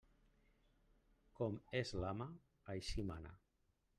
Com és l'ama, així mana.